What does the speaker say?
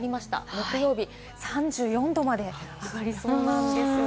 木曜日、３４度まで上がりそうなんです。